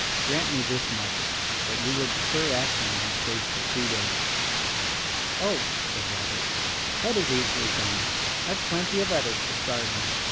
Grant me this much that you will defer action on his case for two days." "Oh," said Robert, "that is easily done. I've plenty of others to start on.